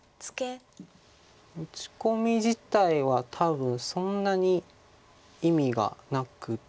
打ち込み自体は多分そんなに意味がなくて。